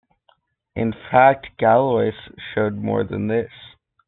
In fact, Galois showed more than this.